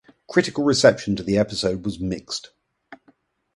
Critical reception to the episode was mixed.